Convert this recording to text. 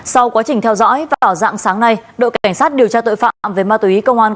sau quá trình theo dõi vào dạng sáng nay đội cảnh sát điều tra tội phạm về ma túy công an